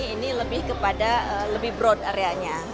ini lebih kepada lebih broad areanya